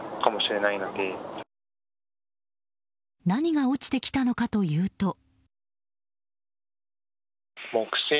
何が落ちてきたのかというと。